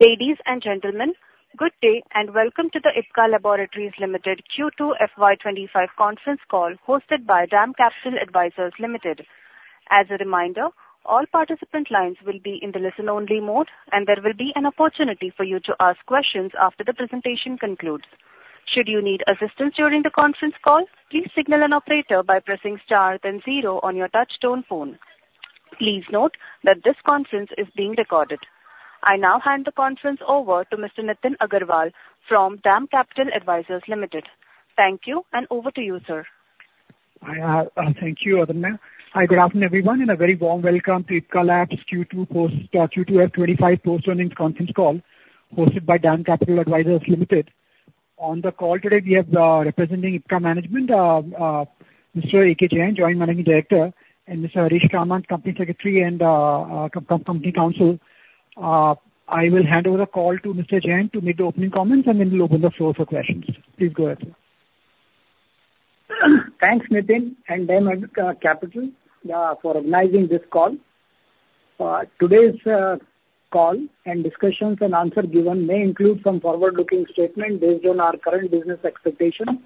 Ladies and gentlemen, good day and welcome to the Ipca Laboratories Limited Q2 FY25 conference call hosted by DAM Capital Advisors Limited. As a reminder, all participant lines will be in the listen-only mode, and there will be an opportunity for you to ask questions after the presentation concludes. Should you need assistance during the conference call, please signal an operator by pressing star then zero on your touch-tone phone. Please note that this conference is being recorded. I now hand the conference over to Mr. Nitin Agarwal from DAM Capital Advisors Limited. Thank you, and over to you, sir. Hi, thank you, Adana. Hi, good afternoon, everyone, and a very warm welcome to Ipca Labs Q2 FY25 post-earnings conference call hosted by DAM Capital Advisors Limited. On the call today, we have representing Ipca Management, Mr. AK Jain, Joint Managing Director, and Mr. Harish Kamath, Company Secretary and Company Counsel. I will hand over the call to Mr. Jain to make the opening comments, and then we'll open the floor for questions. Please go ahead. Thanks, Nitin and DAM Capital, for organizing this call. Today's call and discussions and answer given may include some forward-looking statements based on our current business expectations.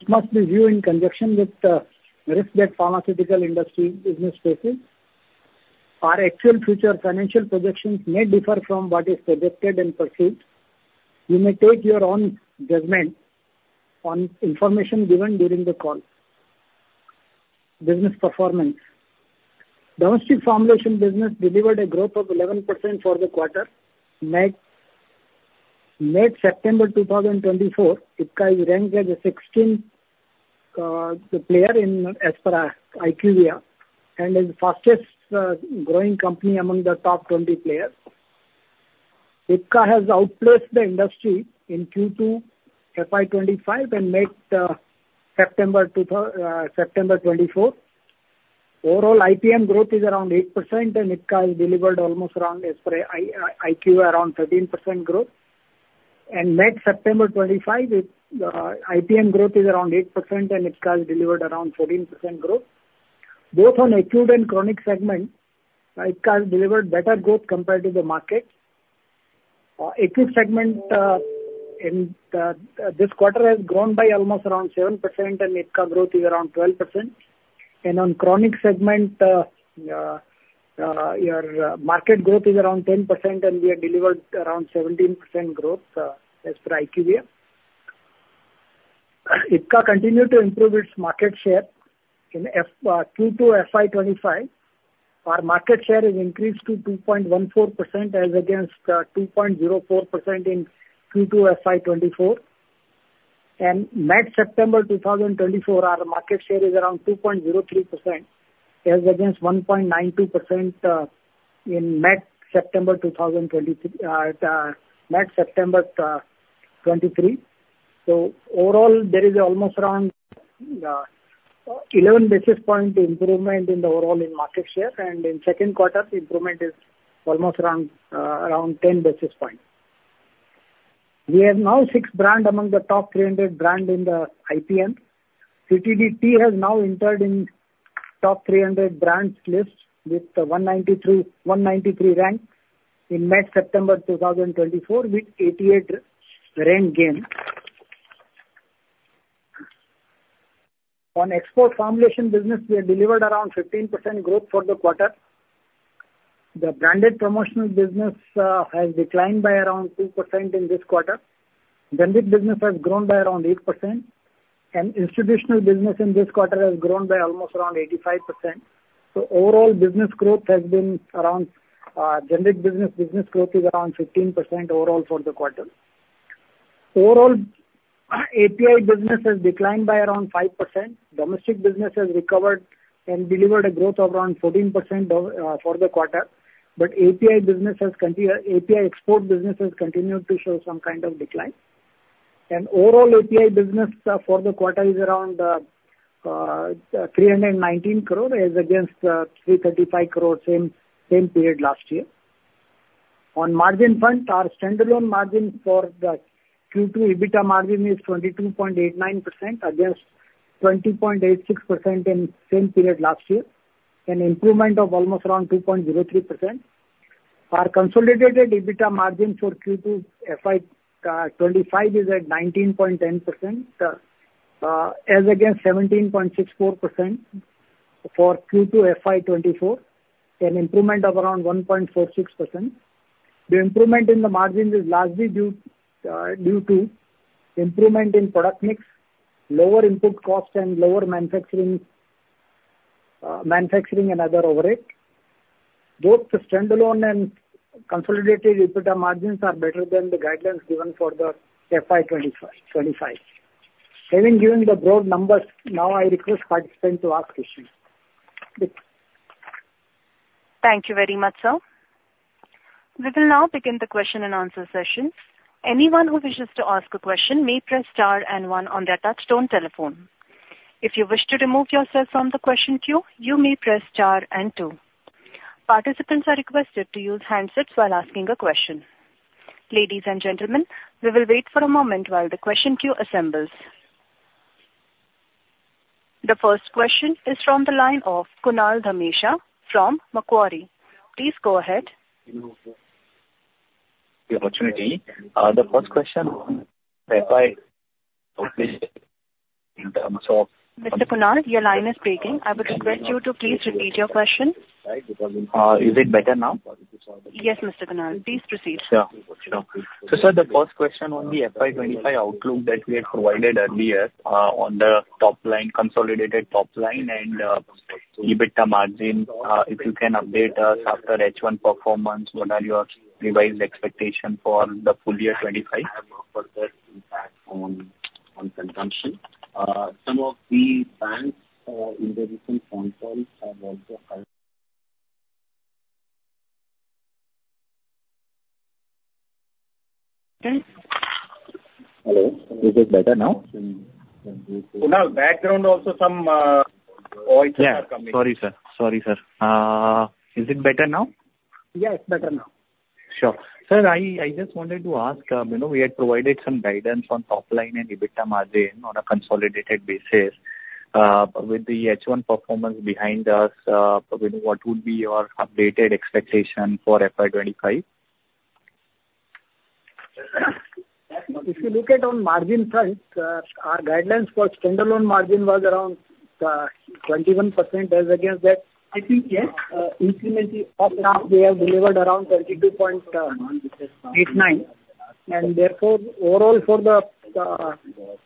It must be viewed in conjunction with the risk that the pharmaceutical industry business faces. Our actual future financial projections may differ from what is predicted and pursued. You may take your own judgment on information given during the call. Business performance: Domestic formulation business delivered a growth of 11% for the quarter. In late September 2024, Ipca ranked as the 16th player as per IQVIA and is the fastest-growing company among the top 20 players. Ipca has outpaced the industry in Q2 FY25 and MAT September 2024. Overall, IPM growth is around 8%, and Ipca has delivered almost around, as per IQVIA, 13% growth, and MAT September 2025, IPM growth is around 8%, and Ipca has delivered around 14% growth. Both on acute and chronic segments, Ipca has delivered better growth compared to the market. Acute segment, this quarter has grown by almost around 7%, and Ipca growth is around 12%. And on chronic segment, market growth is around 10%, and we have delivered around 17% growth, as per IQVIA. Ipca continued to improve its market share. In Q2 FY25, our market share has increased to 2.14%, as against 2.04% in Q2 FY24. And end September 2024, our market share is around 2.03%, as against 1.92% in end September 2023. So overall, there is almost around 11 basis points improvement in the overall market share. And in second quarter, the improvement is almost around 10 basis points. We have now six brands among the top 300 brands in the IPM. CTD-T has now entered in the top 300 brands list with the 193rd rank in September 2024, with 88 rank gains. On export formulation business, we have delivered around 15% growth for the quarter. The branded promotional business has declined by around 2% in this quarter. Branded business has grown by around 8%. Institutional business in this quarter has grown by almost around 85%. Overall, business growth has been around generic business. Business growth is around 15% overall for the quarter. Overall, API business has declined by around 5%. Domestic business has recovered and delivered a growth of around 14% for the quarter. API export business has continued to show some kind of decline. Overall, API business for the quarter is around 319 crore, as against 335 crore same period last year. On the margin front, our standalone margin for the Q2 EBITDA margin is 22.89%, against 20.86% same period last year, an improvement of almost around 2.03%. Our consolidated EBITDA margin for Q2 FY25 is at 19.10%, as against 17.64% for Q2 FY24, an improvement of around 1.46%. The improvement in the margin is largely due to improvement in product mix, lower input cost, and lower manufacturing and other overhead. Both the standalone and consolidated EBITDA margins are better than the guidelines given for the FY25. Having given the broad numbers, now I request participants to ask questions. Thank you very much, sir. We will now begin the question and answer sessions. Anyone who wishes to ask a question may press star and one on their touch-tone telephone. If you wish to remove yourself from the question queue, you may press star and two. Participants are requested to use handsets while asking a question. Ladies and gentlemen, we will wait for a moment while the question queue assembles. The first question is from the line of Kunal Dhamesha from Macquarie. Please go ahead. The first question in terms of. Mr. Kunal, your line is breaking. I would request you to please repeat your question. Is it better now? Yes, Mr. Kunal. Please proceed. Sure. So, sir, the first question on the FY25 outlook that we had provided earlier on the consolidated top line and EBITDA margin, if you can update us after H1 performance, what are your revised expectations for the full year 2025? Some of the banks in the recent conference have also. Okay. Hello. Is it better now? Kunal, background also some voices are coming. Yeah. Sorry, sir. Sorry, sir. Is it better now? Yeah, it's better now. Sure. Sir, I just wanted to ask, we had provided some guidance on top line and EBITDA margin on a consolidated basis. With the H1 performance behind us, what would be your updated expectation for FY25? If you look at our margin funds, our guidelines for standalone margin was around 21%, as against that. I think, yes, incrementally. We have delivered around 22.89%. And therefore, overall, for the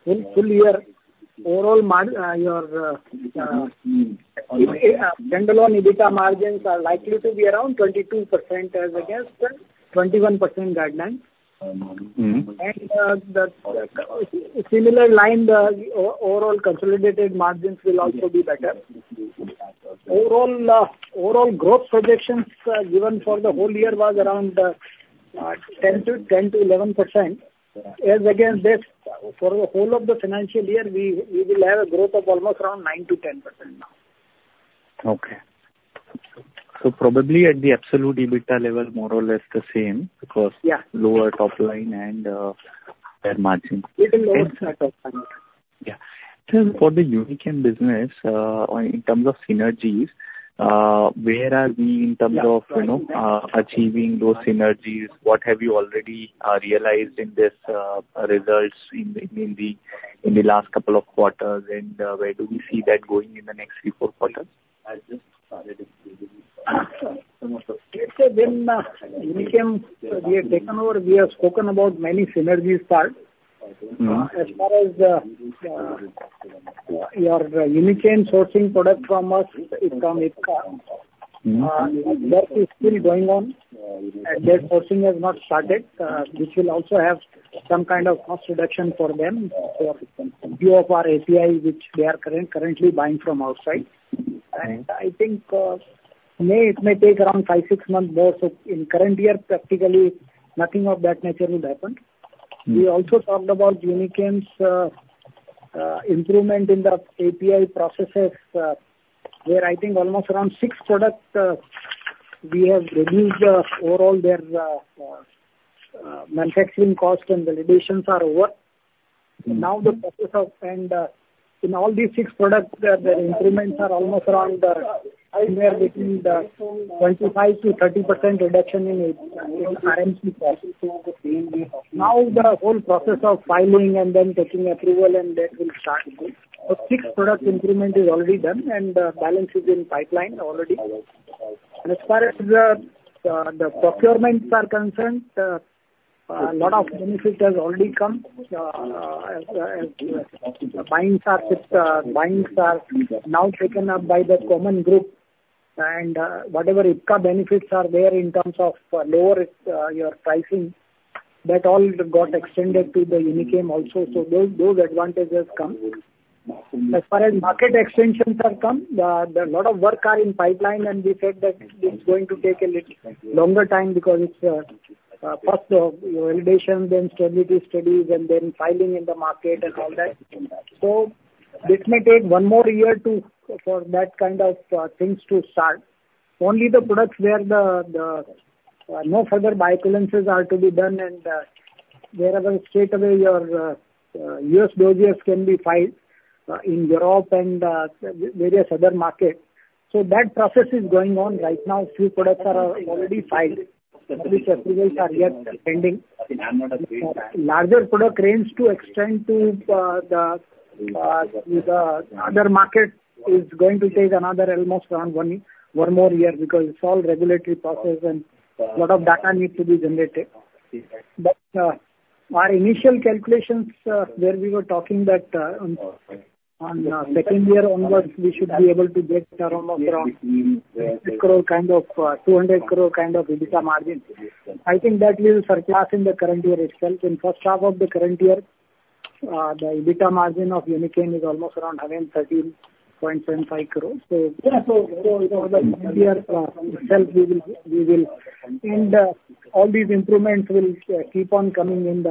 full year, overall, your standalone EBITDA margins are likely to be around 22% as against the 21% guideline. And similar line, the overall consolidated margins will also be better. Overall, growth projections given for the whole year was around 10%-11%. As against this, for the whole of the financial year, we will have a growth of almost around 9%-10% now. Okay, so probably at the absolute EBITDA level, more or less the same because lower top line and margin. A little lower top line. Yeah. Sir, for the Unichem business, in terms of synergies, where are we in terms of achieving those synergies? What have you already realized in these results in the last couple of quarters, and where do we see that going in the next three or four quarters? Sir, when we have taken over, we have spoken about many synergies part. As far as your Unichem sourcing product from us, it's still going on. That sourcing has not started. This will also have some kind of cost reduction for them for view of our API, which they are currently buying from outside. And I think it may take around five, six months more. So in current year, practically nothing of that nature will happen. We also talked about Unichem's improvement in the API processes, where I think almost around six products we have reduced overall their manufacturing cost and validations are over. Now, the process of, and in all these six products, the improvements are almost around somewhere between 25%-30% reduction in RMC process. Now, the whole process of filing and then taking approval and that will start. But six product improvement is already done, and the balance is in pipeline already. As far as the procurements are concerned, a lot of benefits have already come as buyings are now taken up by the common group. And whatever Ipca benefits are there in terms of lower your pricing, that all got extended to the Unichem also. So those advantages come. As far as market extensions have come, a lot of work is in pipeline, and we said that it's going to take a little longer time because it's cost of validation, then stability studies, and then filing in the market and all that. So this may take one more year for that kind of things to start. Only the products where no further bioequivalence are to be done, and wherever straight away your US DMFs can be filed in Europe and various other markets. That process is going on right now. A few products are already filed. These approvals are yet pending. Larger product range to extend to the other market is going to take another almost around one more year because it's all regulatory process and a lot of data needs to be generated. But our initial calculations where we were talking that on the second year onwards, we should be able to get around 600 crore kind of EBITDA margin. I think that will surpass in the current year itself. In the first half of the current year, the EBITDA margin of Unichem is almost around 113.75 crore. So for the first year itself, we will, and all these improvements will keep on coming as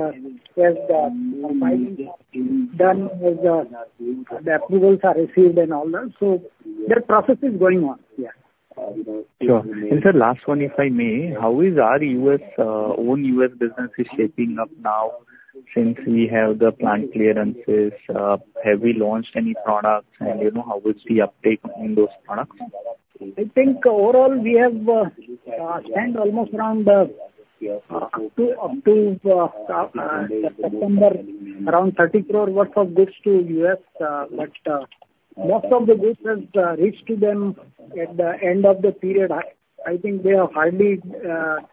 the filing done, as the approvals are received and all that. So that process is going on. Sure. And sir, last one, if I may, how is our own US business shaping up now since we have the plant clearances? Have we launched any products? And how is the uptake on those products? I think overall, we have spent almost around up to September around 30 crore worth of goods to the US, but most of the goods have reached to them at the end of the period. I think they are hardly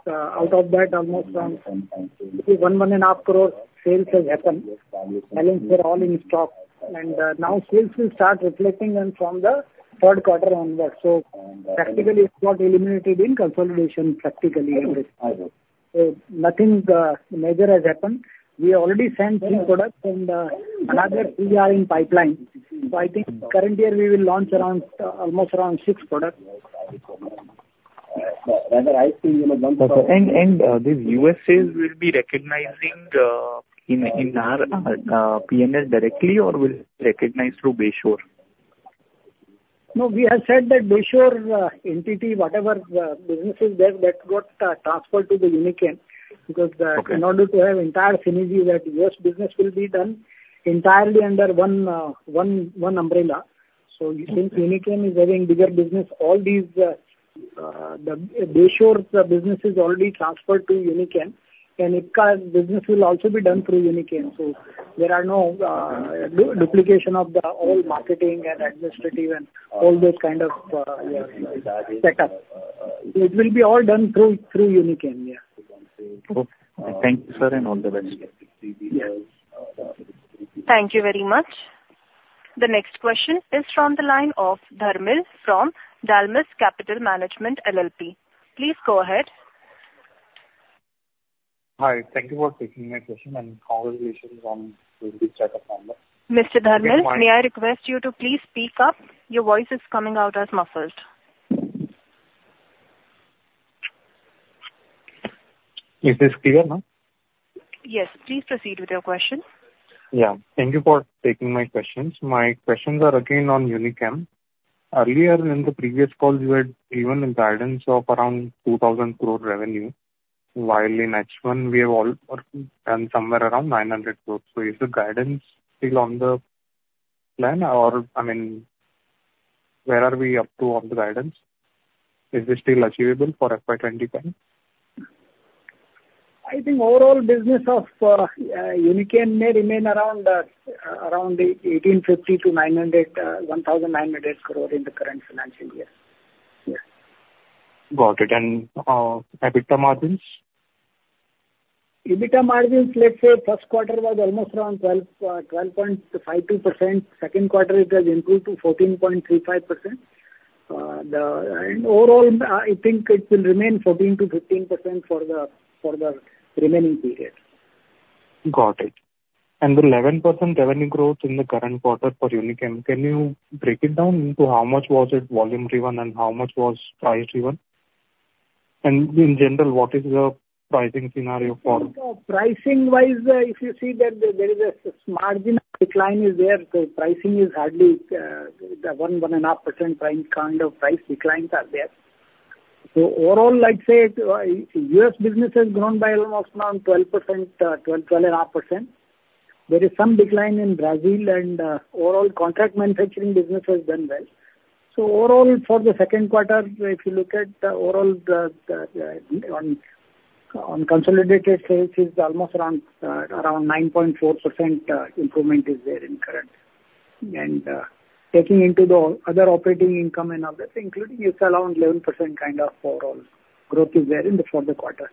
out of that, almost 1.5 crore sales have happened, selling for all in stock, and now sales will start reflecting from the third quarter onwards. So practically, it's got eliminated in consolidation, practically. So nothing major has happened. We already sent three products, and another three are in pipeline. So I think current year, we will launch almost around six products. These U.S. sales will be recognizing in our PMS directly, or will recognize through Bayshore? No, we have said that Bayshore entity, whatever business is there, that got transferred to the Unichem because in order to have entire synergy, that U.S. business will be done entirely under one umbrella. So since Unichem is having bigger business, all these Bayshore business is already transferred to Unichem. And Ipca business will also be done through Unichem. So there are no duplication of the whole marketing and administrative and all those kind of setup. It will be all done through Unichem. Yeah. Thank you, sir, and all the best. Thank you very much. The next question is from the line of Dharmil from Dalmus Capital Management LLP. Please go ahead. Hi. Thank you for taking my question and congratulations on the setup number. Mr. Dharmil, may I request you to please speak up? Your voice is coming out as muffled. Is this clear now? Yes. Please proceed with your question. Yeah. Thank you for taking my questions. My questions are again on Unichem. Earlier in the previous call, you had given a guidance of around 2,000 crore revenue, while in H1, we have done somewhere around 900 crore. So is the guidance still on the plan? Or I mean, where are we up to on the guidance? Is it still achievable for FY25? I think overall business of Unichem may remain around 1,850 crore-1,900 crore in the current financial year. Got it. And EBITDA margins? EBITDA margins, let's say first quarter was almost around 12.52%. Second quarter, it has improved to 14.35%, and overall, I think it will remain 14%-15% for the remaining period. Got it. And the 11% revenue growth in the current quarter for Unichem, can you break it down into how much was it volume-driven and how much was price-driven? And in general, what is the pricing scenario for? Pricing-wise, if you see that there is a margin of decline there, so pricing is hardly 1.5% kind of price declines are there. So overall, I'd say US business has grown by almost around 12%, 12.5%. There is some decline in Brazil, and overall contract manufacturing business has done well. So overall, for the second quarter, if you look at the overall on consolidated sales, it's almost around 9.4% improvement is there in current. And taking into the other operating income and other things, including it's around 11% kind of overall growth is there in the fourth quarter.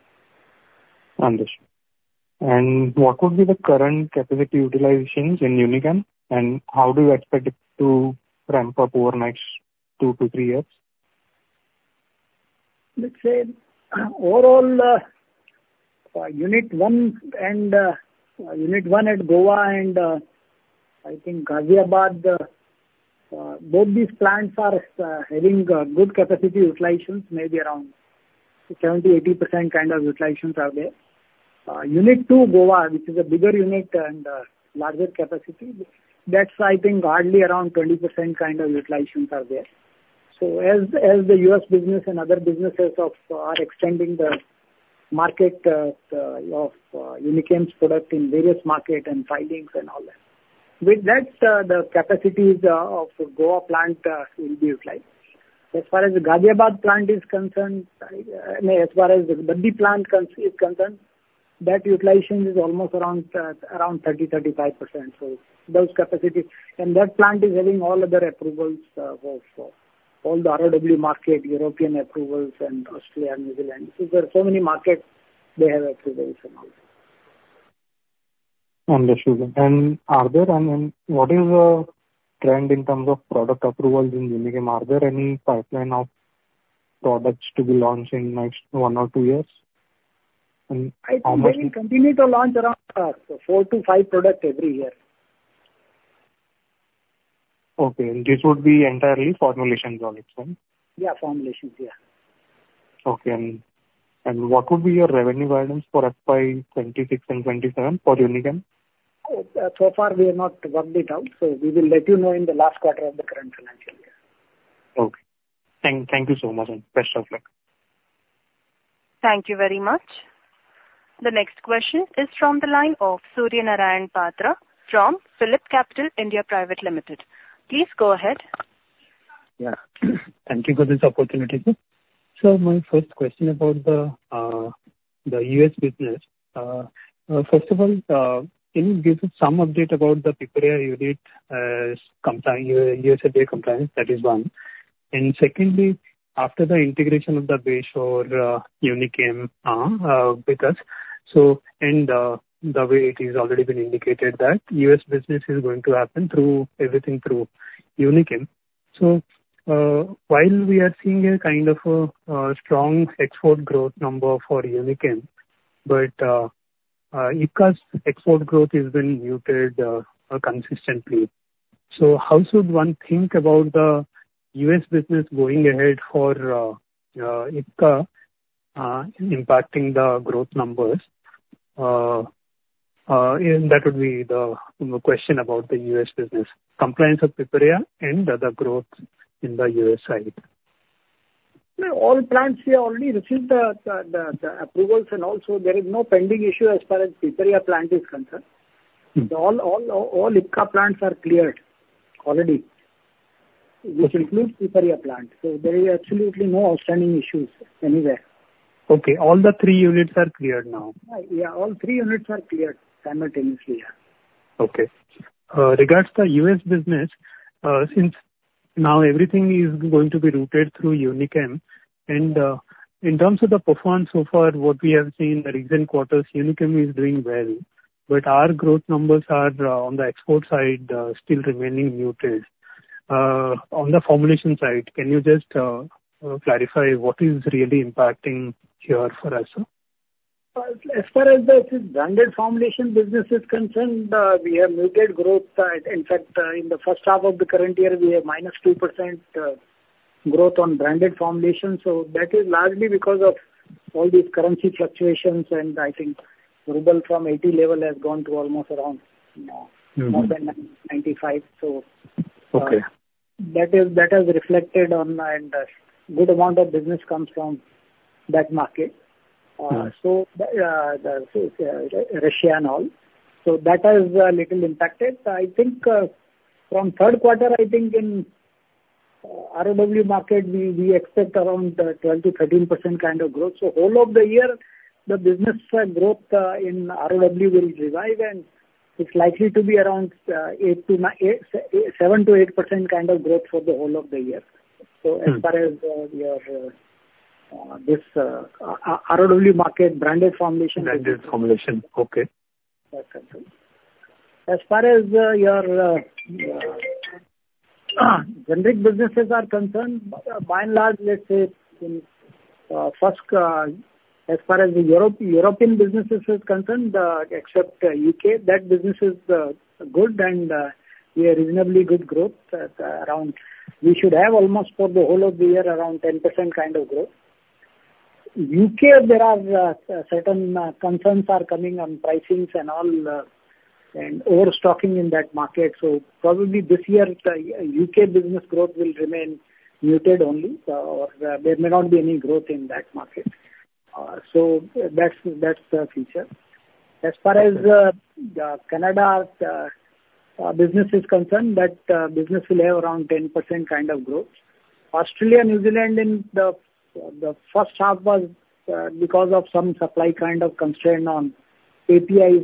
Understood. And what would be the current capacity utilization in Unichem? And how do you expect it to ramp up over the next two to three years? Let's say overall, unit one and unit one at Goa and I think Ghaziabad, both these plants are having good capacity utilizations, maybe around 70%-80% kind of utilizations are there. Unit two, Goa, which is a bigger unit and larger capacity, that's I think hardly around 20% kind of utilizations are there. So as the US business and other businesses are extending the market of Unichem's product in various markets and filings and all that, that's the capacities of Goa plant will be utilized. As far as Ghaziabad plant is concerned, as far as Baddi plant is concerned, that utilization is almost around 30%-35%. So those capacities, and that plant is having all other approvals of all the ROW market, European approvals, and Australia, New Zealand. So there are so many markets they have approvals and all that. Understood. And what is the trend in terms of product approvals in Unichem? Are there any pipeline of products to be launched in the next one or two years? I think we will continue to launch around four to five products every year. Okay. And this would be entirely formulations on its own? Yeah, formulations, yeah. Okay. And what would be your revenue guidance for FY26 and FY27 for Unichem? So far, we have not worked it out. So we will let you know in the last quarter of the current financial year. Okay. Thank you so much and best of luck. Thank you very much. The next question is from the line of Surya Narayan Patra from PhillipCapital India Private Limited. Please go ahead. Yeah. Thank you for this opportunity. Sir, my first question about the US business. First of all, can you give some update about the Piparia unit as US FDA compliance? That is one. And secondly, after the integration of the Bayshore Unichem with us, and the way it has already been indicated that US business is going to happen through everything through Unichem. So while we are seeing a kind of strong export growth number for Unichem, but Ipca's export growth has been muted consistently. So how should one think about the US business going ahead for Ipca impacting the growth numbers? That would be the question about the US business. Compliance of Piparia and the growth in the US side? All plants here already received the approvals, and also there is no pending issue as far as Piparia plant is concerned. All Ipca plants are cleared already, which includes Piparia plant. So there is absolutely no outstanding issues anywhere. Okay. All the three units are cleared now? Yeah. All three units are cleared simultaneously, yeah. Okay. Regards to the US business, since now everything is going to be routed through Unichem, and in terms of the performance so far, what we have seen in the recent quarters, Unichem is doing well. But our growth numbers are on the export side still remaining muted. On the formulation side, can you just clarify what is really impacting here for us? As far as the branded formulation business is concerned, we have muted growth. In fact, in the first half of the current year, we have minus 2% growth on branded formulation. So that is largely because of all these currency fluctuations. And I think ruble from 80 level has gone to almost around more than 95. So that has reflected on, and a good amount of business comes from that market, Russia and all. So that has a little impacted. I think from third quarter, I think in ROW market, we expect around 12%-13% kind of growth. So all of the year, the business growth in ROW will revive, and it's likely to be around 7%-8% kind of growth for the whole of the year. So as far as your ROW market, branded formulation. Branded formulation. Okay. As far as your generic businesses are concerned, by and large, let's say, as far as the European businesses are concerned, except UK, that business is good, and we have reasonably good growth. We should have almost for the whole of the year around 10% kind of growth. UK, there are certain concerns coming on pricings and all and overstocking in that market. So probably this year, UK business growth will remain muted only, or there may not be any growth in that market. So that's the picture. As far as Canada business is concerned, that business will have around 10% kind of growth. Australia, New Zealand, in the first half was because of some supply kind of constraint on certain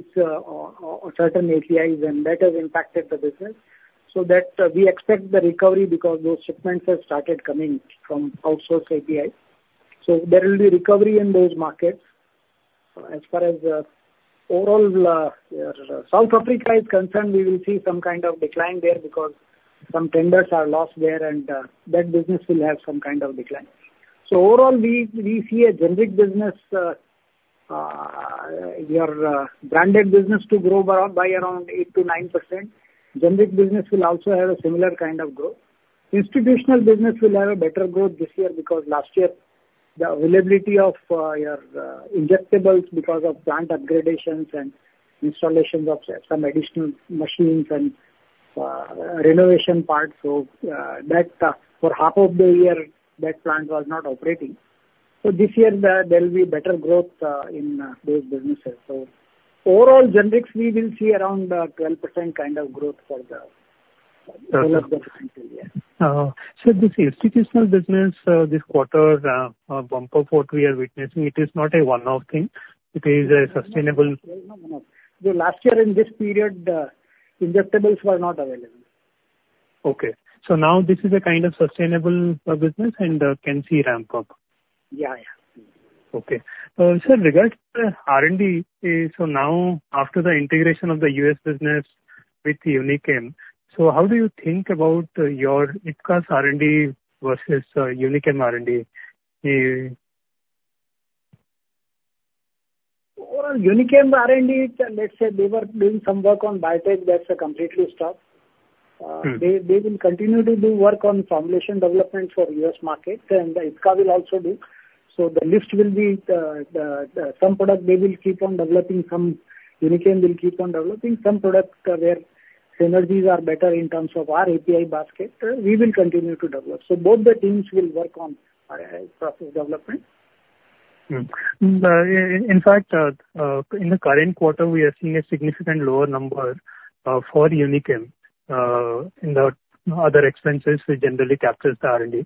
APIs, and that has impacted the business. So we expect the recovery because those shipments have started coming from outsourced APIs. So there will be recovery in those markets. As far as overall South Africa is concerned, we will see some kind of decline there because some tenders are lost there, and that business will have some kind of decline. So overall, we see a generic business, your branded business to grow by around 8%-9%. Generic business will also have a similar kind of growth. Institutional business will have a better growth this year because last year, the availability of your injectables because of plant upgradations and installations of some additional machines and renovation parts. So for half of the year, that plant was not operating. So this year, there will be better growth in those businesses. So overall, generics, we will see around 12% kind of growth for the whole of the financial year. So this institutional business, this quarter bump up, what we are witnessing, it is not a one-off thing. It is a sustainable. Last year, in this period, injectables were not available. Okay, so now this is a kind of sustainable business and can see ramp up. Yeah, yeah. Okay. Regarding R&D, now after the integration of the US business with Unichem, how do you think about your Ipca's R&D versus Unichem R&D? Unichem R&D, let's say they were doing some work on Biotech. That's completely stopped. They will continue to do work on formulation development for US market, and Ipca will also do. So the lift will be some product they will keep on developing, some Unichem will keep on developing, some product where synergies are better in terms of our API basket. We will continue to develop. So both the teams will work on process development. In fact, in the current quarter, we are seeing a significant lower number for Unichem in the other expenses which generally captures the R&D.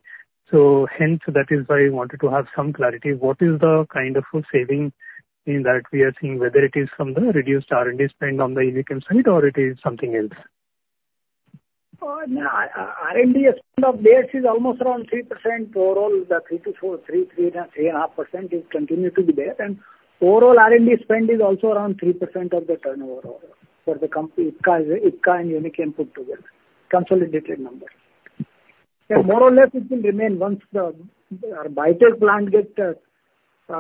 So hence, that is why we wanted to have some clarity. What is the kind of saving that we are seeing, whether it is from the reduced R&D spend on the Unichem side, or it is something else? R&D of base is almost around 3%. Overall, the 3%-3.5% will continue to be there. And overall R&D spend is also around 3% of the turnover for the Ipca and Unichem put together, consolidated numbers. More or less, it will remain once the biotech plant gets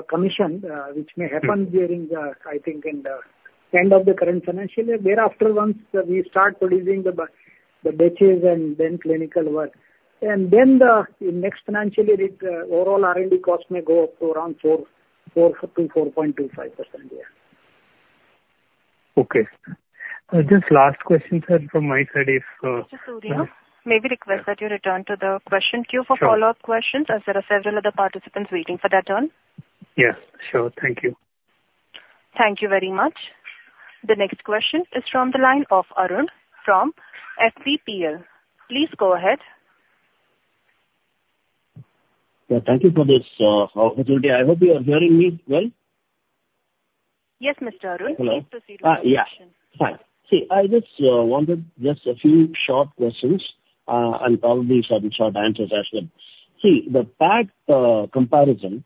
commissioned, which may happen during, I think, in the end of the current financial year. Thereafter, once we start producing the batches and then clinical work, and then the next financial year, overall R&D cost may go up to around 4%-4.25%, yeah. Okay. Just last question, sir, from my side is. Mr. Surya? May we request that you return to the question queue for follow-up questions as there are several other participants waiting for their turn? Yes. Sure. Thank you. Thank you very much. The next question is from the line of Arun from FPPL. Please go ahead. Yeah. Thank you for this opportunity. I hope you are hearing me well. Yes, Mr. Arun. Hello. Please proceed with the question. Yeah. Fine. See, I just wanted just a few short questions and probably some short answers as well. See, the PAT comparison,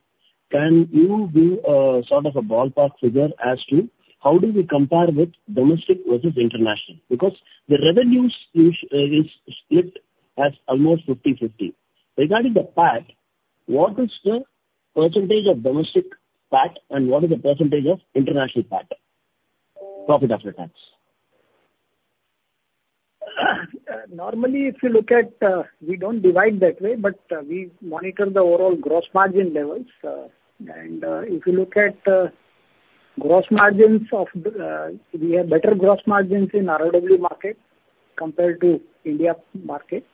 can you do sort of a ballpark figure as to how do we compare with domestic versus international? Because the revenues is split as almost 50/50. Regarding the PAT, what is the percentage of domestic PAT, and what is the percentage of international PAT, profit after tax? Normally, if you look at, we don't divide that way, but we monitor the overall gross margin levels, and if you look at gross margins, we have better gross margins in ROW market compared to India market.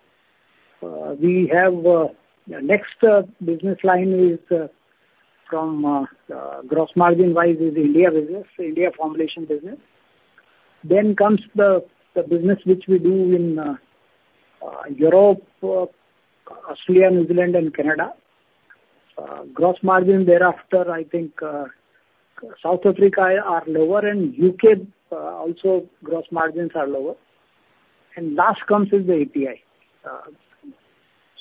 The next business line is from gross margin wise is India business, India formulation business. Then comes the business which we do in Europe, Australia, New Zealand, and Canada. Gross margin thereafter, I think South Africa are lower, and U.K. also gross margins are lower. And last comes is the API.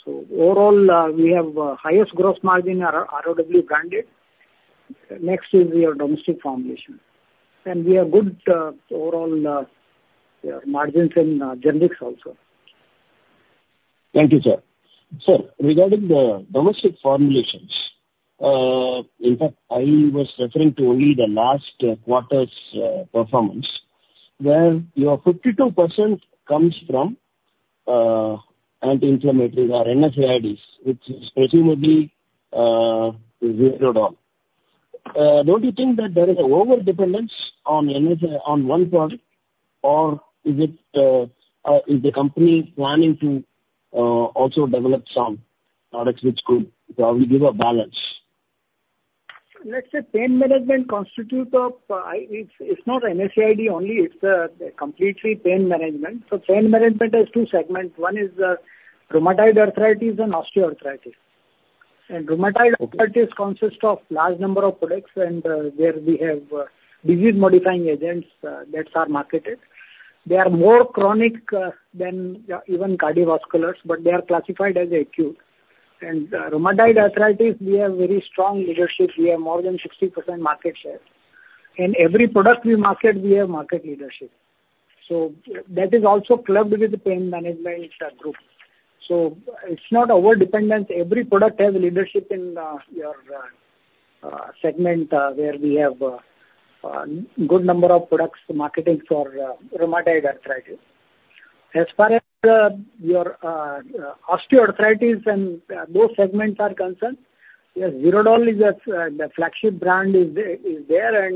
So overall, we have highest gross margin ROW branded. Next is your domestic formulation, and we have good overall margins in generics also. Thank you, sir. Sir, regarding the domestic formulations, in fact, I was referring to only the last quarter's performance where your 52% comes from anti-inflammatories or NSAIDs, which is presumably Zerodol. Don't you think that there is an overdependence on one product, or is the company planning to also develop some products which could probably give a balance? Let's say pain management constitutes of it's not NSAID only. It's completely pain management. So pain management has two segments. One is rheumatoid arthritis and osteoarthritis. And rheumatoid arthritis consists of a large number of products, and there we have disease-modifying agents that are marketed. They are more chronic than even cardiovasculars, but they are classified as acute. And rheumatoid arthritis, we have very strong leadership. We have more than 60% market share. And every product we market, we have market leadership. So that is also clubbed with the pain management group. So it's not overdependence. Every product has leadership in your segment where we have a good number of products marketing for rheumatoid arthritis. As far as your osteoarthritis and those segments are concerned, yes, Zerodol is the flagship brand there.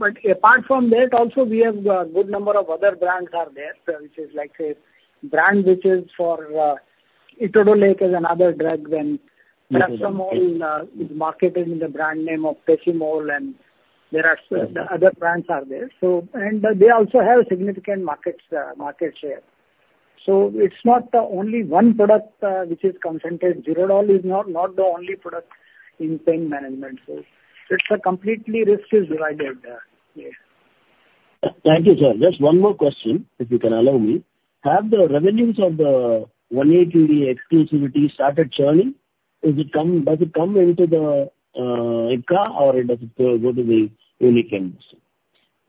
But apart from that, also we have a good number of other brands there, which is like a brand which is for Etodolac, is another drug, and Pacimol is marketed in the brand name of Pacimol, and there are other brands there. And they also have significant market share. So it's not only one product which is concentrated. Zerodol is not the only product in pain management. So it's a completely risk diversified there. Thank you, sir. Just one more question, if you can allow me. Have the revenues of the 180 exclusivity started churning? Does it come into the Ipca, or does it go to the Unichem?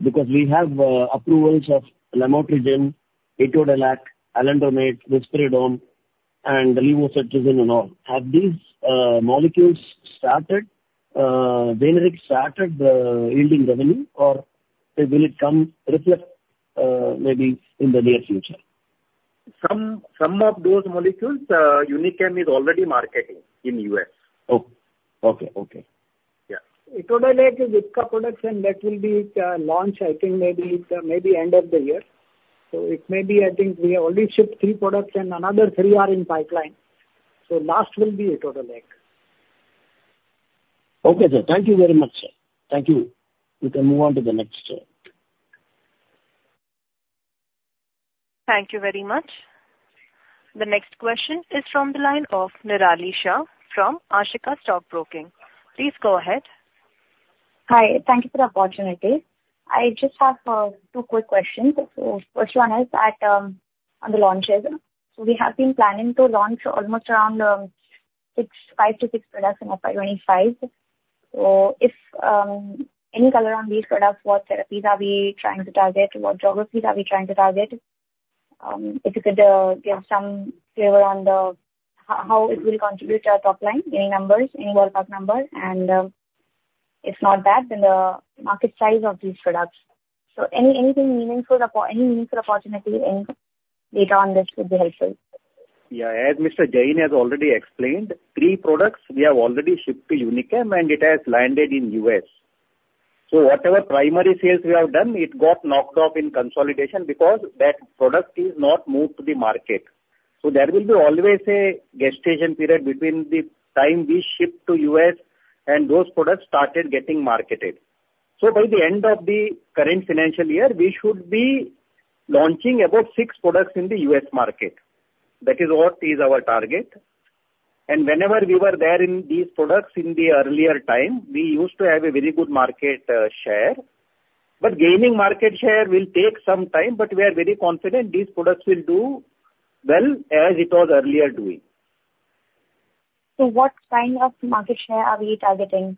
Because we have approvals of Lamotrigine, Etodolac, Alendronate, Risperidone, and Levocetirizine and all. Have these molecules started, generics started yielding revenue, or will it come reflect maybe in the near future? Some of those molecules, Unichem is already marketing in the U.S. Okay. Okay. Yeah. Etodolac is Ipca products, and that will be launched, I think, maybe end of the year. So it may be, I think we have already shipped three products, and another three are in pipeline. So last will be Etodolac. Okay, sir. Thank you very much, sir. Thank you. We can move on to the next question. Thank you very much. The next question is from the line of Nirali Shah from Ashika Stock Broking. Please go ahead. Hi. Thank you for the opportunity. I just have two quick questions. So first one is on the launches. So we have been planning to launch almost around five to six products in FY25. So if any color on these products, what therapies are we trying to target? What geographies are we trying to target? If you could give some flavor on how it will contribute to our top line, any numbers, any ballpark number, and if not that, then the market size of these products. So any meaningful opportunity, any data on this would be helpful. Yeah. As Mr. Jain has already explained, three products we have already shipped to Unichem, and it has landed in the US. So whatever primary sales we have done, it got knocked off in consolidation because that product is not moved to the market. So there will be always a gestation period between the time we shipped to the US and those products started getting marketed. So by the end of the current financial year, we should be launching about six products in the US market. That is what is our target. And whenever we were there in these products in the earlier time, we used to have a very good market share. But gaining market share will take some time, but we are very confident these products will do well as it was earlier doing. What kind of market share are we targeting?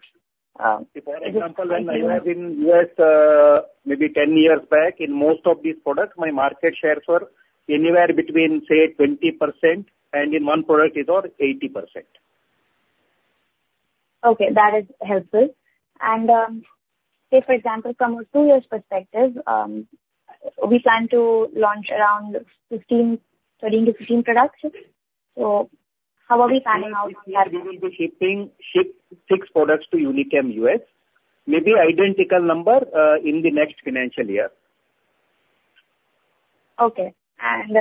For example, when I was in the U.S. maybe 10 years back, in most of these products, my market shares were anywhere between, say, 20%, and in one product it was 80%. Okay. That is helpful, and say, for example, from a two-year perspective, we plan to launch around 15, 13-15 products. So how are we planning out on that? We will be shipping six products to Unichem US. Maybe identical number in the next financial year. Okay. And.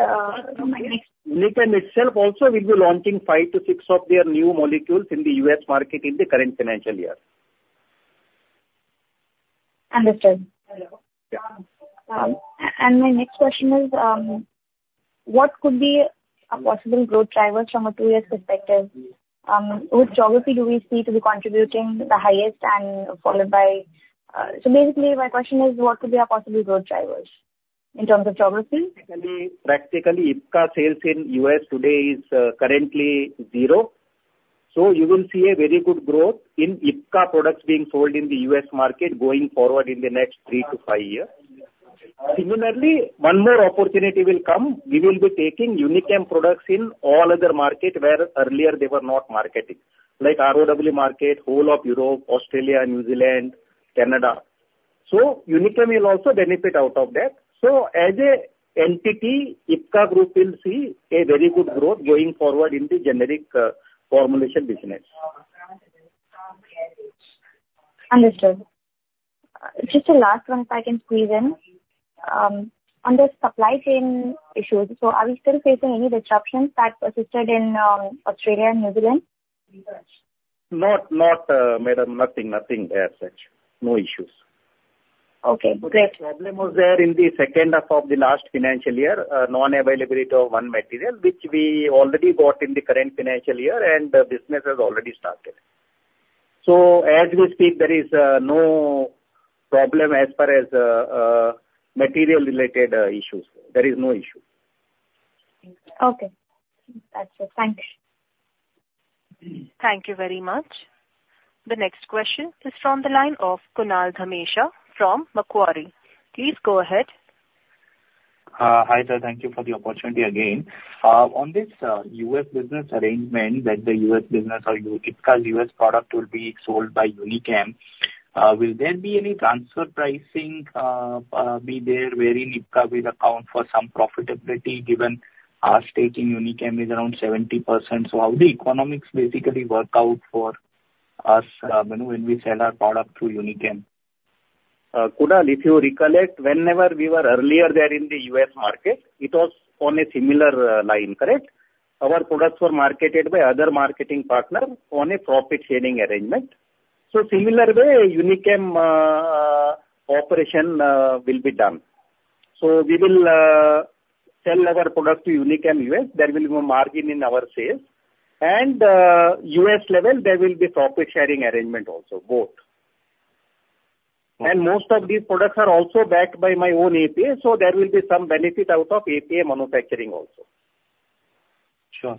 Unichem itself also will be launching five to six of their new molecules in the US market in the current financial year. Understood. And my next question is, what could be a possible growth driver from a two-year perspective? Which geography do we see to be contributing the highest and followed by? So basically, my question is, what could be our possible growth drivers in terms of geography? Practically, Ipca sales in the U.S. today is currently zero. So you will see a very good growth in Ipca products being sold in the U.S. market going forward in the next three to five years. Similarly, one more opportunity will come. We will be taking Unichem products in all other markets where earlier they were not marketing, like ROW market, whole of Europe, Australia, New Zealand, Canada. So Unichem will also benefit out of that. So as an entity, Ipca Group will see a very good growth going forward in the generic formulation business. Understood. Just a last one, if I can squeeze in. On the supply chain issues, so are we still facing any disruptions that persisted in Australia and New Zealand? No, madam. Nothing as such. No issues. Okay. Great. The problem was there in the second half of the last financial year, non-availability of one material, which we already got in the current financial year, and the business has already started. So as we speak, there is no problem as far as material-related issues. There is no issue. Okay. That's it. Thanks. Thank you very much. The next question is from the line of Kunal Dhamesha from Macquarie. Please go ahead. Hi, sir. Thank you for the opportunity again. On this U.S. business arrangement that the U.S. business or Ipca's U.S. product will be sold by Unichem, will there be any transfer pricing be there wherein Ipca will account for some profitability given our stake in Unichem is around 70%? So how do the economics basically work out for us when we sell our product through Unichem? Kunal, if you recollect, whenever we were earlier there in the US market, it was on a similar line, correct? Our products were marketed by other marketing partners on a profit-sharing arrangement. So similarly, Unichem operation will be done. So we will sell our product to Unichem US. There will be a margin in our sales. And US level, there will be profit-sharing arrangement also, both. And most of these products are also backed by our own API, so there will be some benefit out of API manufacturing also. Sure.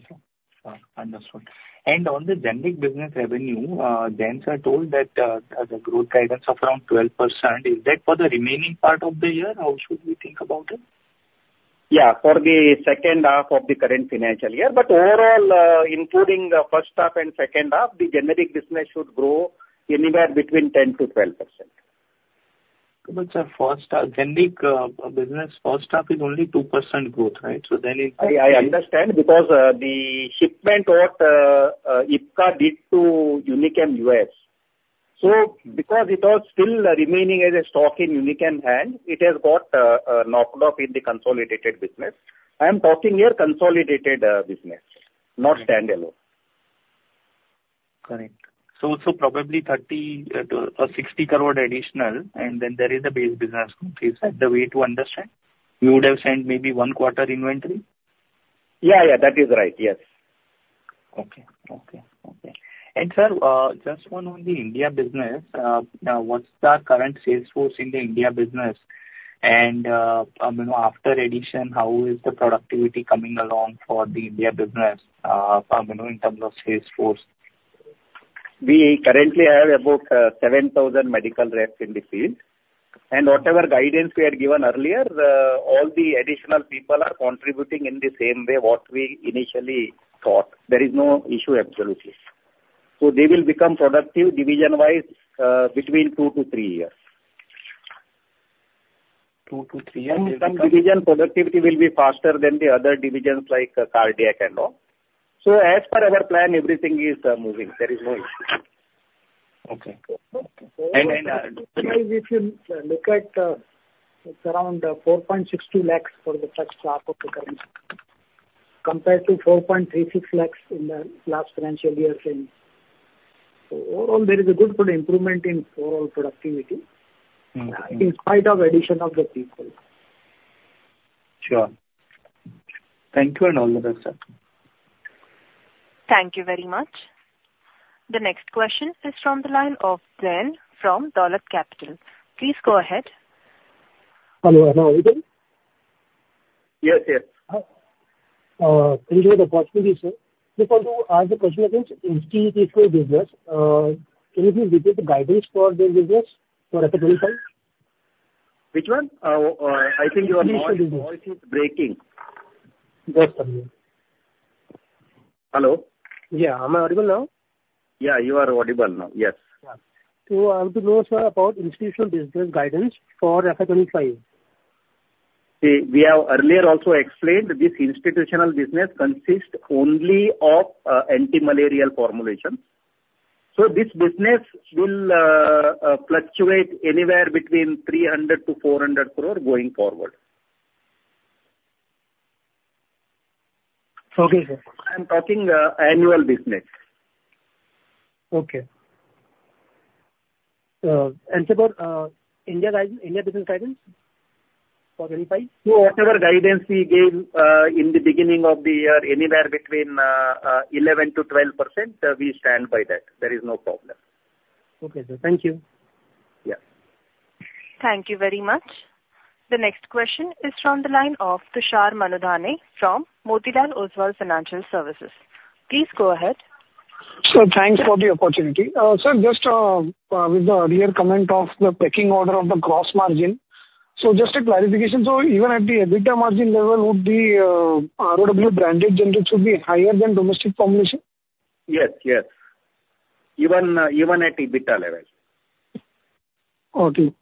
Understood. And on the generic business revenue, Jain sir told that the growth guidance of around 12%. Is that for the remaining part of the year? How should we think about it? Yeah. For the second half of the current financial year. But overall, including the first half and second half, the generic business should grow anywhere between 10%-12%. But sir, generic business first half is only 2% growth, right? So then it. I understand because the shipment what Ipca did to Unichem US. So because it was still remaining as a stock in Unichem hand, it has got knocked off in the consolidated business. I am talking here consolidated business, not standalone. Correct. So probably 30-60 crore additional, and then there is a base business growth. Is that the way to understand? You would have sent maybe one quarter inventory? Yeah, yeah. That is right. Yes. Okay. Sir, just one on the India business. What's the current sales force in the India business? And after addition, how is the productivity coming along for the India business in terms of sales force? We currently have about 7,000 medical reps in the field, and whatever guidance we had given earlier, all the additional people are contributing in the same way what we initially thought. There is no issue, absolutely, so they will become productive division-wise between two to three years. Two to three years. And some division productivity will be faster than the other divisions like cardiac and all. So as per our plan, everything is moving. There is no issue. Okay. And if you look at around 4.62 lakhs for the first half of the current compared to 4.36 lakhs in the last financial year, so overall, there is a good improvement in overall productivity in spite of addition of the people. Sure. Thank you and all the best, sir. Thank you very much. The next question is from the line of Zain from Dolat Capital. Please go ahead. Hello. Hello. Are you there? Yes, yes. Thank you for the opportunity, sir. Just want to ask a question again. In the US business, can you please repeat the guidance for the business for FY25? Which one? I think you are not. Institutional business. Voice is breaking. Yes, sir. Hello? Yeah. Am I audible now? Yeah. You are audible now. Yes. Yeah. So I want to know, sir, about institutional business guidance for FY25? See, we have earlier also explained this institutional business consists only of antimalarial formulations. So this business will fluctuate anywhere between 300-400 crore going forward. Okay, sir. I'm talking annual business. Okay. And sir, what India business guidance for 25? So whatever guidance we gave in the beginning of the year, anywhere between 11%-12%, we stand by that. There is no problem. Okay, sir. Thank you. Yeah. Thank you very much. The next question is from the line of Tushar Manudhane from Motilal Oswal Financial Services. Please go ahead. Sir, thanks for the opportunity. Sir, just with the earlier comment of the pecking order of the gross margin, so just a clarification. So even at the EBITDA margin level, would the ROW branded generic should be higher than domestic formulation? Yes, yes. Even at EBITDA level. Okay.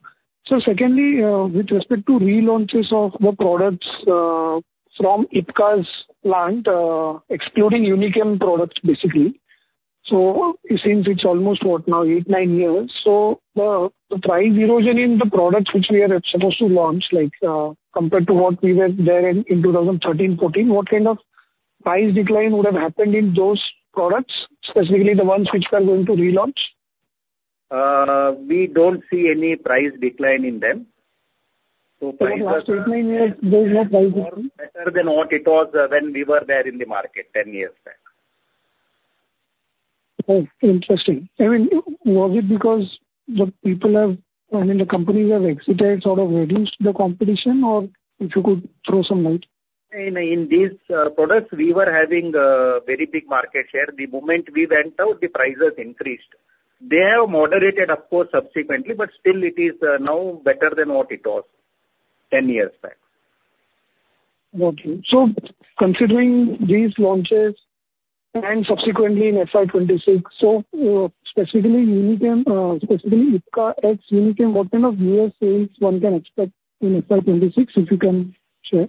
So secondly, with respect to relaunches of the products from Ipca's plant, excluding Unichem products, basically. So since it's almost what, now, eight, nine years, so the price erosion in the products which we are supposed to launch, compared to what we were there in 2013, 2014, what kind of price decline would have happened in those products, specifically the ones which we are going to relaunch? We don't see any price decline in them. So price was. Why is that? Why is there no price decline? Better than what it was when we were there in the market 10 years back. Oh, interesting. I mean, was it because the people have I mean, the companies have exited, sort of reduced the competition, or if you could throw some light? In these products, we were having a very big market share. The moment we went out, the prices increased. They have moderated, of course, subsequently, but still it is now better than what it was 10 years back. Okay. So considering these launches and subsequently in FY26, so specifically Unichem, specifically Ipca X Unichem, what kind of U.S. sales one can expect in FY26, if you can share?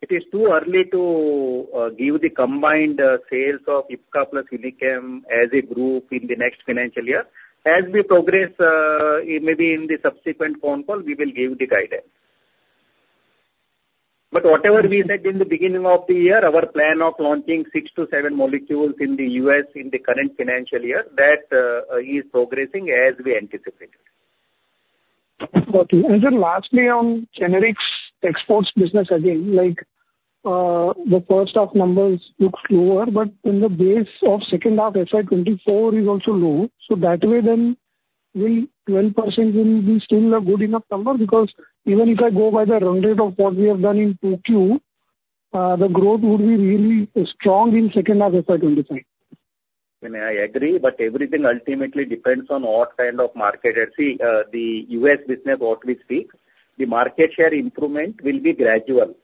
It is too early to give the combined sales of Ipca plus Unichem as a group in the next financial year. As we progress, maybe in the subsequent phone call, we will give the guidance. But whatever we said in the beginning of the year, our plan of launching six to seven molecules in the U.S. in the current financial year, that is progressing as we anticipated. Okay. And then lastly, on generics exports business, again, the first half numbers look lower, but then the base of second half FY24 is also low. So that way, then 12% will be still a good enough number because even if I go by the run rate of what we have done in Q2, the growth would be really strong in second half FY25. I agree, but everything ultimately depends on what kind of market. See, the US business, what we speak, the market share improvement will be gradual.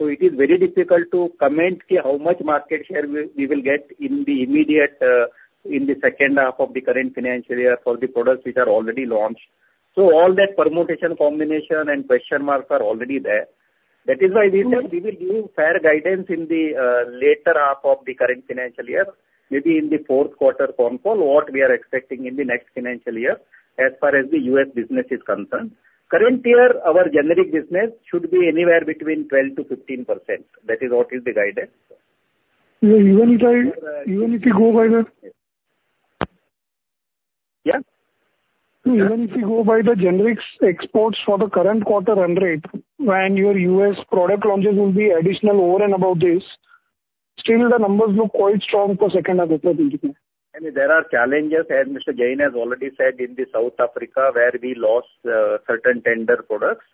It is very difficult to comment how much market share we will get in the immediate in the second half of the current financial year for the products which are already launched. All that permutation combination and question marks are already there. That is why we will give fair guidance in the later half of the current financial year, maybe in the fourth quarter phone call, what we are expecting in the next financial year as far as the US business is concerned. Current year, our generic business should be anywhere between 12%-15%. That is what is the guidance. Even if I go by the. Yeah? Even if you go by the generics exports for the current quarter run rate, when your U.S. product launches will be additional over and above this, still the numbers look quite strong for second half FY25. And there are challenges, as Mr. Jain has already said, in the South Africa where we lost certain tender products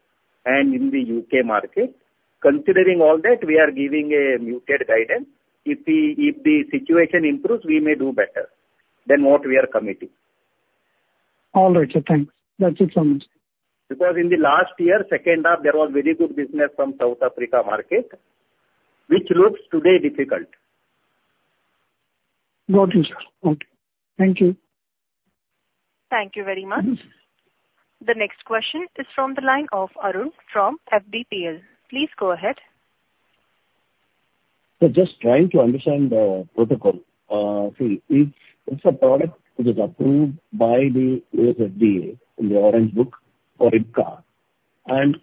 and in the UK market. Considering all that, we are giving a muted guidance. If the situation improves, we may do better than what we are committing. All right. Thanks. That's it from me. Because in the last year, second half, there was very good business from South Africa market, which looks today difficult. Got it, sir. Okay. Thank you. Thank you very much. The next question is from the line of Arun from FPPL. Please go ahead. Just trying to understand the protocol. See, it's a product which is approved by the U.S. FDA in the Orange Book for Ipca. And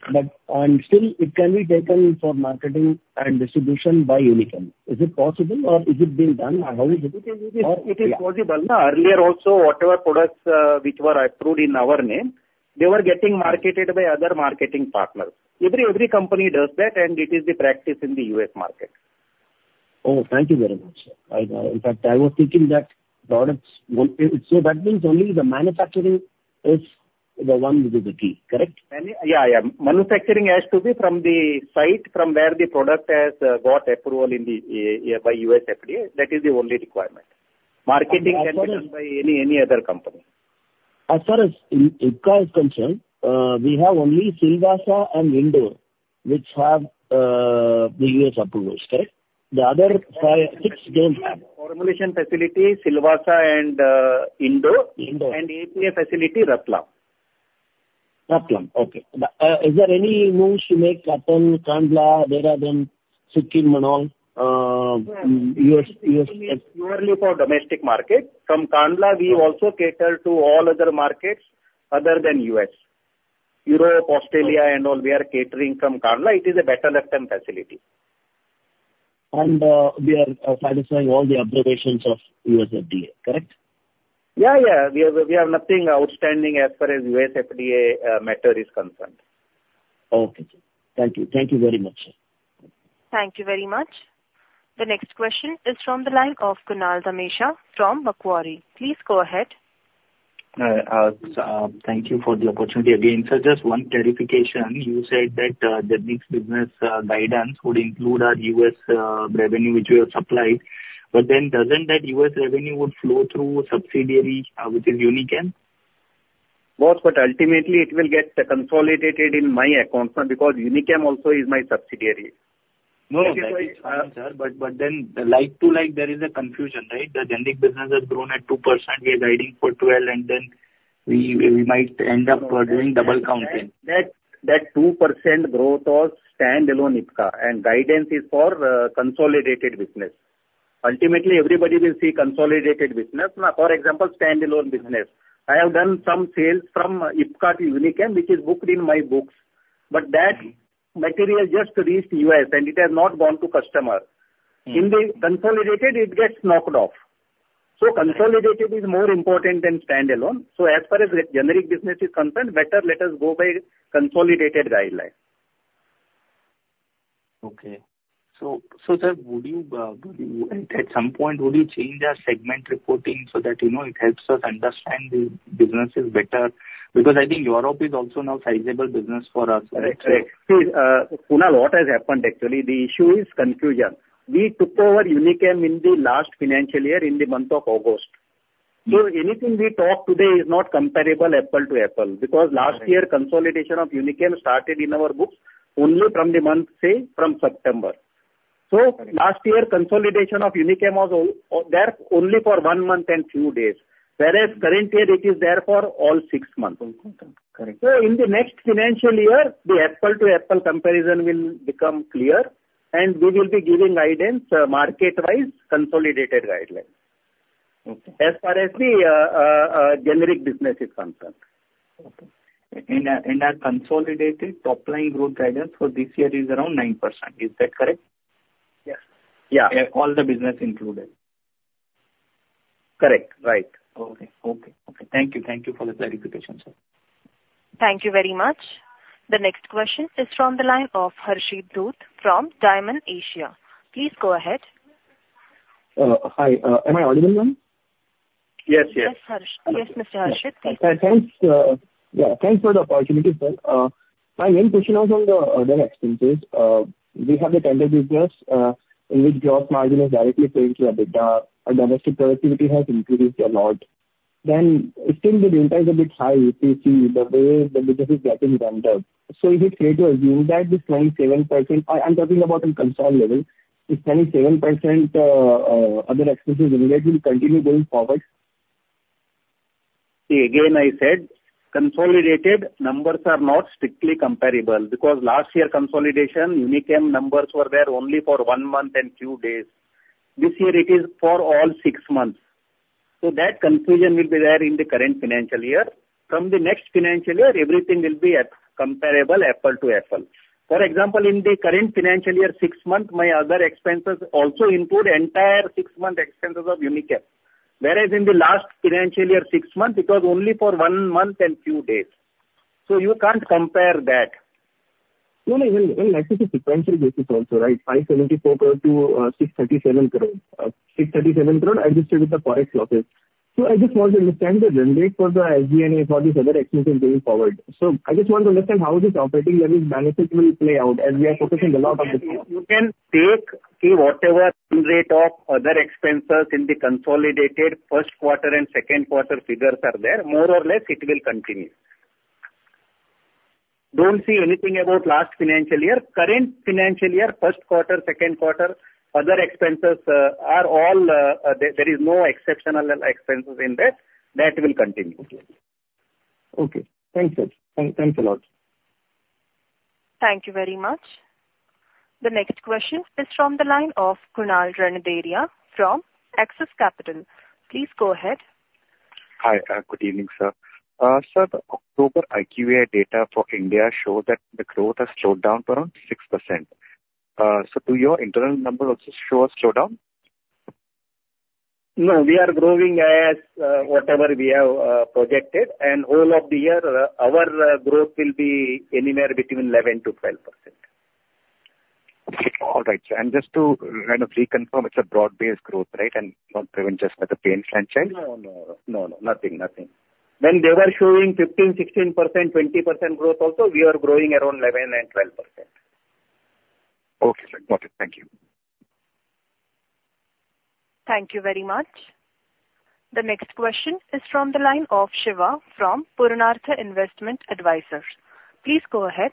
still, it can be taken for marketing and distribution by Unichem. Is it possible, or is it being done? How is it? It is possible. Earlier also, whatever products which were approved in our name, they were getting marketed by other marketing partners. Every company does that, and it is the practice in the U.S. market. Oh, thank you very much, sir. In fact, I was thinking that products so that means only the manufacturing is the one which is the key, correct? Yeah, yeah. Manufacturing has to be from the site from where the product has got approval by US FDA. That is the only requirement. Marketing can be done by any other company. As far as Ipca is concerned, we have only Silvassa and Indore, which have the US approvals, correct? The other six don't have. Formulation facility, Silvassa and Indore. Indore. And API facility, Ratlam. Ratlam. Okay. Is there any moves to make upon Kandla? There are then Sukin Manol. US. It's purely for domestic market. From Kandla, we also cater to all other markets other than U.S. Europe, Australia, and all, we are catering from Kandla. It is a better left-hand facility. We are satisfying all the observations of US FDA, correct? Yeah, yeah. We have nothing outstanding as far as US FDA matter is concerned. Okay, sir. Thank you. Thank you very much, sir. Thank you very much. The next question is from the line of Kunal Dhamesha from Macquarie. Please go ahead. Thank you for the opportunity again. Sir, just one clarification. You said that the next business guidance would include our US revenue which we have supplied. But then doesn't that US revenue would flow through subsidiary which is Unichem? No, but ultimately, it will get consolidated in my account because Unichem also is my subsidiary. No, no, sir, but then like to like, there is a confusion, right? The generic business has grown at 2%. We are guiding for 12%, and then we might end up doing double counting. That 2% growth was standalone Ipca, and guidance is for consolidated business. Ultimately, everybody will see consolidated business. For example, standalone business. I have done some sales from Ipca to Unichem, which is booked in my books. But that material just reached US, and it has not gone to customer. In the consolidated, it gets knocked off. So consolidated is more important than standalone. So as far as generic business is concerned, better let us go by consolidated guidance. Okay. So, sir, would you at some point, would you change our segment reporting so that it helps us understand the businesses better? Because I think Europe is also now sizable business for us, right? Right, right. Kunal, what has happened, actually? The issue is confusion. We took over Unichem in the last financial year in the month of August, so anything we talk today is not comparable apple to apple because last year, consolidation of Unichem started in our books only from the month, say, from September, so last year, consolidation of Unichem was there only for one month and few days. Whereas current year, it is there for all six months. Okay. Correct. In the next financial year, the apples-to-apples comparison will become clear, and we will be giving guidance market-wise, consolidated guidelines. Okay. As far as the generic business is concerned. Okay, and our consolidated top-line growth guidance for this year is around 9%. Is that correct? Yes. Yeah. All the business included. Correct. Right. Okay. Thank you for the clarification, sir. Thank you very much. The next question is from the line of Harshit Dhoot from Dymon Asia. Please go ahead. Hi. Am I audible now? Yes, yes. Yes, Mr. Harshit. Thanks. Yeah. Thanks for the opportunity, sir. My main question was on the other expenses. We have the tender business in which gross margin is directly playing to EBITDA. Our domestic productivity has increased a lot. Then still, the yield is a bit high. You see the way the business is getting tendered. So is it fair to assume that this 27% I'm talking about on consolidated, this 27% other expenses generated will continue going forward? See, again, I said consolidated numbers are not strictly comparable because last year, consolidation Unichem numbers were there only for one month and few days. This year, it is for all six months. So that confusion will be there in the current financial year. From the next financial year, everything will be comparable apples to apples. For example, in the current financial year, six months, my other expenses also include entire six-month expenses of Unichem. Whereas in the last financial year, six months, it was only for one month and few days. So you can't compare that. No, no. Well, I see the sequential basis also, right? 574 crore-637 crore. 637 crore adjusted with the forex losses. So I just want to understand the guidance for the SG&A for these other expenses going forward. So I just want to understand how this operating leverage balance will play out as we are focusing a lot on the. You can take whatever rate of other expenses in the consolidated first quarter and second quarter figures are there. More or less, it will continue. Don't see anything about last financial year. Current financial year, first quarter, second quarter, other expenses are all there. There is no exceptional expenses in that. That will continue. Okay. Thanks, sir. Thanks a lot. Thank you very much. The next question is from the line of Kunal Randeria from Axis Capital. Please go ahead. Hi. Good evening, sir. Sir, the October IQVIA data for India show that the growth has slowed down around 6%. So do your internal numbers also show a slowdown? No, we are growing as whatever we have projected. And all of the year, our growth will be anywhere between 11%-12%. All right, sir. And just to kind of reconfirm, it's a broad-based growth, right, and not driven just by the pain franchise? No, no, no. No, no. Nothing, nothing. When they were showing 15, 16%, 20% growth also, we are growing around 11%-12%. Okay, sir. Got it. Thank you. Thank you very much. The next question is from the line of Shiva from Purnartha Investment Advisers. Please go ahead.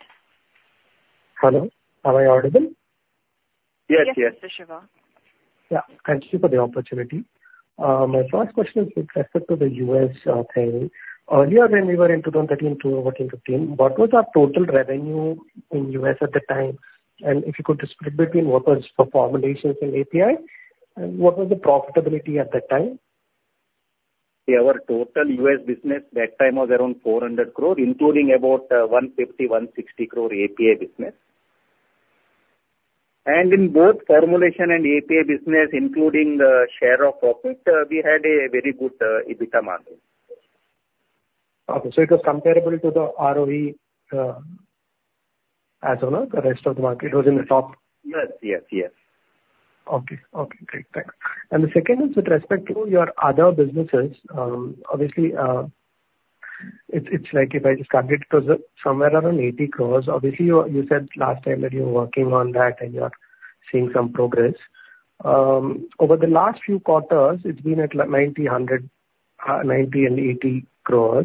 Hello. Am I audible? Yes, yes. Yes, Mr. Shiva. Yeah. Thank you for the opportunity. My first question is with respect to the U.S. thing. Earlier, when we were in 2013 to 2015, what was our total revenue in U.S. at the time? And if you could split between what was for formulations and API, what was the profitability at that time? See, our total U.S. business that time was around 400 crore, including about 150-160 crore API business, and in both formulation and API business, including the share of profit, we had a very good EBITDA margin. Okay. So it was comparable to the ROE as well? The rest of the market was in the top? Yes, yes, yes. Okay. Okay. Great. Thanks. And the second is with respect to your other businesses. Obviously, it's like if I just calculate, it was somewhere around 80 crore. Obviously, you said last time that you were working on that and you are seeing some progress. Over the last few quarters, it's been at 90 crore and 80 crore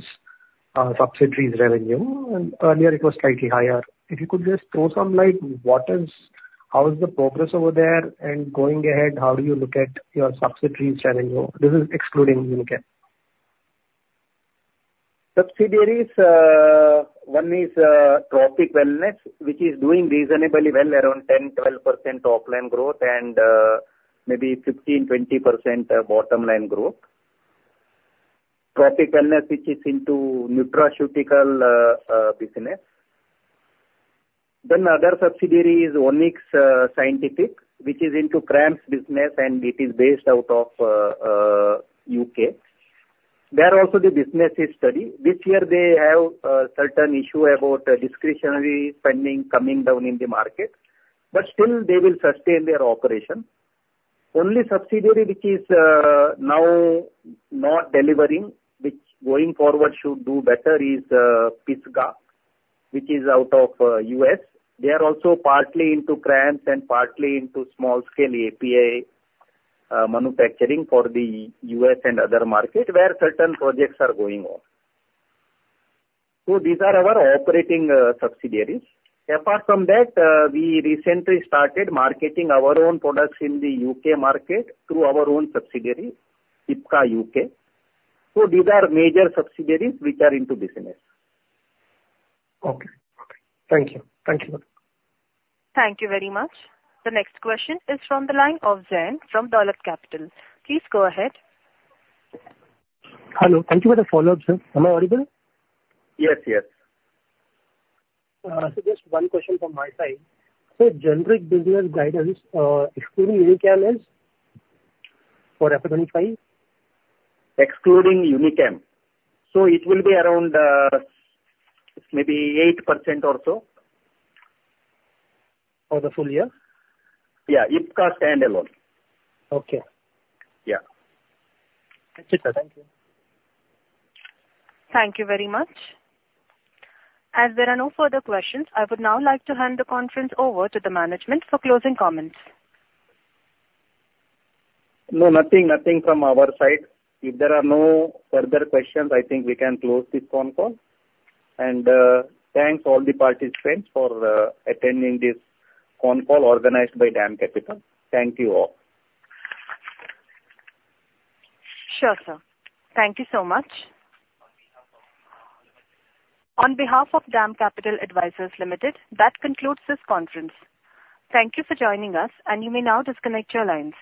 subsidiaries revenue. Earlier, it was slightly higher. If you could just throw some light, how is the progress over there? And going ahead, how do you look at your subsidiaries revenue? This is excluding Unichem. Subsidiaries, one is Trophic Wellness, which is doing reasonably well, around 10-12% top-line growth and maybe 15-20% bottom-line growth. Trophic Wellness, which is into nutraceutical business. Then other subsidiaries, Onyx Scientific, which is into CRAMS business and it is based out of U.K. There also the business is steady. This year, they have a certain issue about discretionary spending coming down in the market. But still, they will sustain their operation. Only subsidiary, which is now not delivering, which going forward should do better, is Pisgah, which is out of U.S. They are also partly into CRAMS and partly into small-scale API manufacturing for the U.S. and other market where certain projects are going on. So these are our operating subsidiaries. Apart from that, we recently started marketing our own products in the U.K. market through our own subsidiary, Ipca U.K. These are major subsidiaries which are into business. Okay. Thank you. Thank you. Thank you very much. The next question is from the line of Zain from Dolat Capital. Please go ahead. Hello. Thank you for the follow-up, sir. Am I audible? Yes, yes. Just one question from my side. Generic business guidance excluding Unichem is for FY25? Excluding Unichem. So it will be around maybe 8% or so. For the full year? Yeah. Ipca standalone. Okay. Yeah. Thank you, sir. Thank you. Thank you very much. As there are no further questions, I would now like to hand the conference over to the management for closing comments. No, nothing. Nothing from our side. If there are no further questions, I think we can close this phone call. And thanks to all the participants for attending this phone call organized by DAM Capital. Thank you all. Sure, sir. Thank you so much. On behalf of DAM Capital Advisors Limited, that concludes this conference. Thank you for joining us, and you may now disconnect your lines.